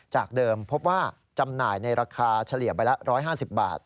จากเดิมพบว่าจำหน่ายในราคาเฉลี่ยใบละ๑๕๐บาท